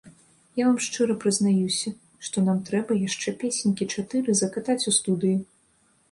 Я вам шчыра прызнаюся, што нам трэба яшчэ песенькі чатыры закатаць у студыі.